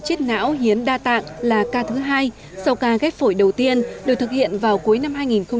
chết não hiến đa tạng là ca thứ hai sau ca ghép phổi đầu tiên được thực hiện vào cuối năm hai nghìn một mươi